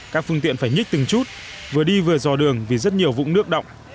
các phương tiện phải nhích từng chút vừa đi vừa dò đường vì rất nhiều vụn nước động